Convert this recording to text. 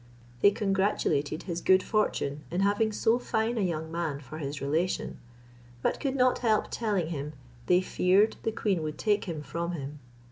They congratulated his good fortune in having so fine a young man for his relation; but could not help telling him they feared the queen would take him from him.